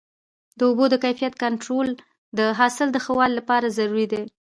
د اوبو د کیفیت کنټرول د حاصل د ښه والي لپاره ضروري دی.